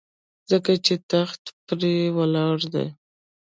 ځکه چې تخت پرې ولاړ دی.